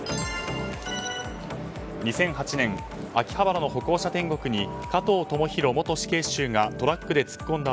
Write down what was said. ２００８年秋葉原の歩行者天国に加藤智大元死刑囚がトラックで突っ込んだ